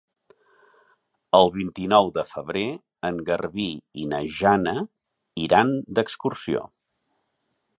El vint-i-nou de febrer en Garbí i na Jana iran d'excursió.